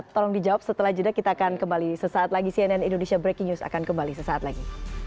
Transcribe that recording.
tolong dijawab setelah jeda kita akan kembali sesaat lagi cnn indonesia breaking news akan kembali sesaat lagi